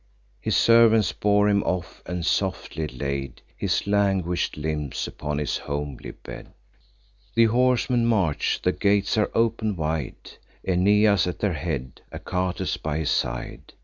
His servants bore him off, and softly laid His languish'd limbs upon his homely bed. The horsemen march; the gates are open'd wide; Aeneas at their head, Achates by his side.